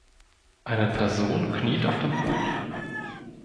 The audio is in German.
Eine Person kniet auf dem Boden.